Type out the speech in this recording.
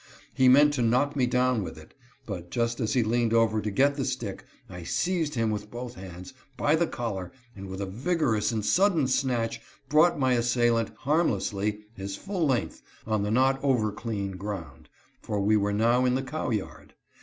He meant to knock me down with it; but, just as he leaned over to get the stick, I seized him with both hands, by the collar, and with a vigorous and sudden snatch brought my assailant harmlessly, his full length, on the not over clean ground, for we were now in the cow yard.